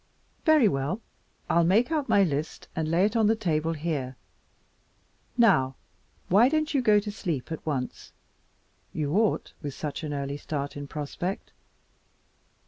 "Very well, I'll make out my list and lay it on the table here. Now, why don't you go and sleep at once? You ought, with such an early start in prospect."